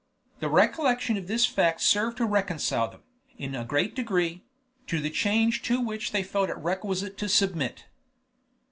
The recollection of this fact served to reconcile them, in a great degree, to the change to which they felt it requisite to submit.